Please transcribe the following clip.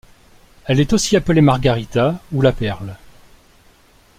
Elle est aussi appelée Margarita ou la perle.